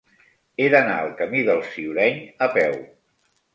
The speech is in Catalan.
He d'anar al camí del Ciureny a peu.